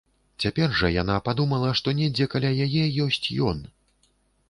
Цяпер жа яна падумала, што недзе каля яе ёсць ён.